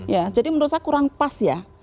ya jadi menurut saya kurang pas ya